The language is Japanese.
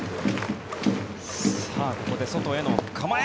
ここで外への構え。